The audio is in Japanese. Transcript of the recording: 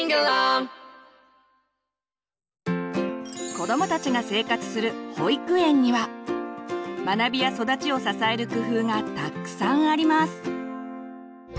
子どもたちが生活する保育園には学びや育ちを支える工夫がたくさんあります。